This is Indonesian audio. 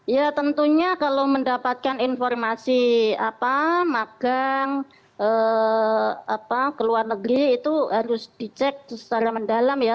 ya tentunya kalau mendapatkan informasi magang ke luar negeri itu harus dicek secara mendalam ya